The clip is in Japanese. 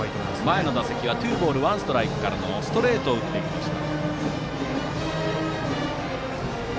前の打席はツーボールワンストライクからのストレートを打っていきました。